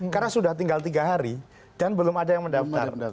karena sudah tinggal tiga hari dan belum ada yang mendaftar